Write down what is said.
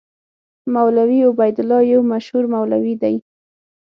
مولوي عبیدالله یو مشهور مولوي دی.